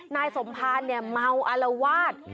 นายสมภารเนี่ยเมาอลวาด